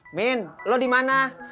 amin lu dimana